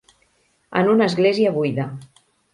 En una església buida.